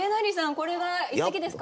これが一席ですか？